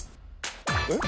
えっ？